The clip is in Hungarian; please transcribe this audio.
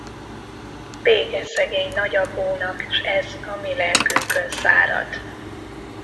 Vége szegény nagyapónak, s ez a mi lelkünkön szárad!